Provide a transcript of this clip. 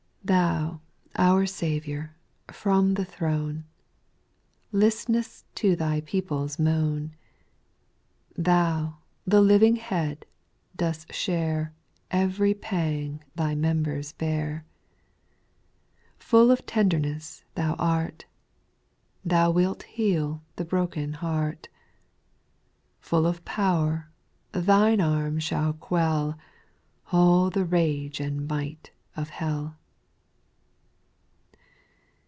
2, Thou, our Saviour, from the throne, List'nest to Thy people's moan ; Thou, the living Head, dost share Ev'ry pang Thy members bear. Full of tenderness Thou art ; Thou wilt heal the broken heart : Full of power, thine arm shall quell All the rage and might of hell.